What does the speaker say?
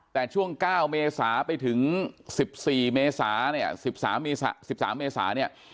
แต่ช่วงเก้าเมษาไปถึงสิบสี่เมษาเนี่ยสิบสามเมษาสิบสามเมษาเนี่ย